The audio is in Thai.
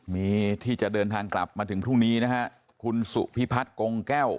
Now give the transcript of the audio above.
มีที่จะเดินทางกลับมาถึงพรุ่งนี้นะฮะคุณสุพิพัฒน์กงแก้ว